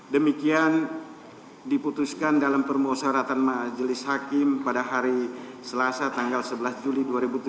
demikian diputuskan dalam permusyaratan majelis hakim pada hari selasa tanggal sebelas juli dua ribu tujuh belas